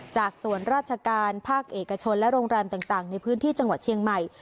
จากส่วนราชการภาคเอกชนและโรงแรมต่างในพื้นที่จังหวัดเชียงใหม่